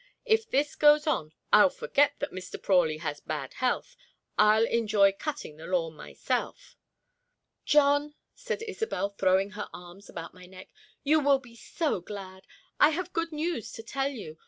If this goes on I'll forget that Mr. Prawley has bad health. I'll enjoy cutting the lawn myself!" "John," said Isobel, throwing her arms about my neck, "you will be so glad! I have good news to tell you!